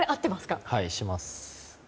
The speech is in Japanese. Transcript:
はい、します。